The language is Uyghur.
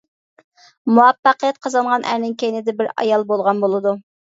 مۇۋەپپەقىيەت قازانغان ئەرنىڭ كەينىدە بىر ئايال بولغان بولىدۇ.